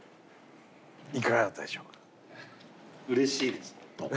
うれしいです。